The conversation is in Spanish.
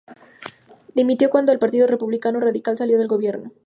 Dimitió cuando el Partido Republicano Radical salió del Gobierno.